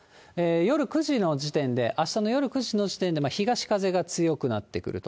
夜９時の時点で、あしたの夜９時の時点で、東風が強くなってくると。